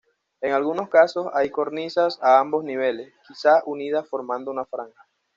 En algunos casos hay cornisas a ambos niveles, quizá unidas formando una franja.